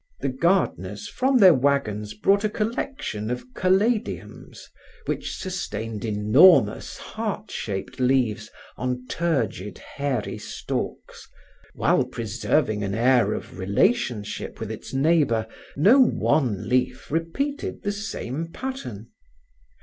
The gardeners from their wagons brought a collection of caladiums which sustained enormous heartshaped leaves on turgid hairy stalks; while preserving an air of relationship with its neighbor, no one leaf repeated the same pattern.